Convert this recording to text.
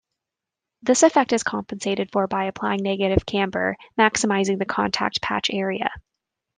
This effect is compensated for by applying negative camber, maximizing the contact patch area.